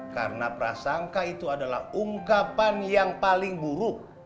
karena prasangka itu adalah ungkapan yang paling buruk